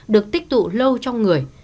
được tích tụ lâu trong người